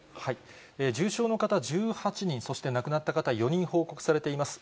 重症の方１８人、そして亡くなった方４人報告されています。